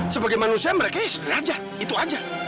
sebagai manusia mereka ya derajat itu aja